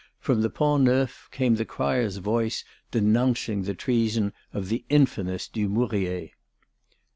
From the Pont Neuf came the crier's voice denouncing the treason of the infamous Dumouriez.